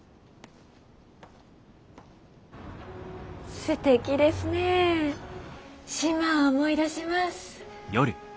すてきですねぇ島を思い出します。